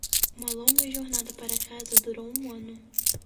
Uma longa jornada para casa durou um ano.